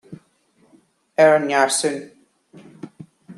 Ar an ngarsún